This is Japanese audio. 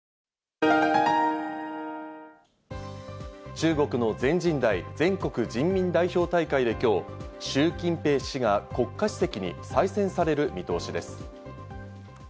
中国の全人代＝全国人民代表大会で今日、シュウ・キンペイ氏が国家主席に再選される見通しです。